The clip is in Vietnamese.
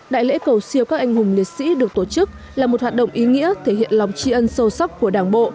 đại lễ cầu siêu các anh hùng liệt sĩ được tổ chức là một hoạt động ý nghĩa thể hiện lòng tri ân sâu sắc của đảng bộ